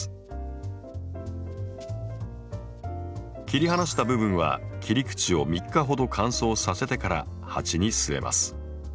切り離した部分は切り口を３日ほど乾燥させてから鉢に据えます。